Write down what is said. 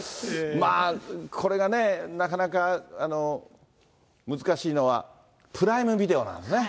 まあこれがね、なかなか難しいのは、プライムビデオなんですね。